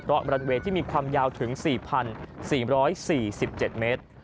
เพราะรันเวย์ที่มีความยาวถึง๔๔๔๗เมตร